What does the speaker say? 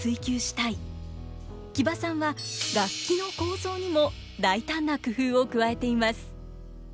木場さんは楽器の構造にも大胆な工夫を加えています。